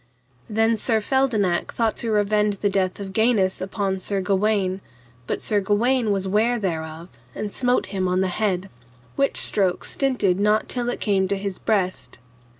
Then Sir Feldenak thought to revenge the death of Gainus upon Sir Gawaine, but Sir Gawaine was ware thereof, and smote him on the head, which stroke stinted not till it came to his breast.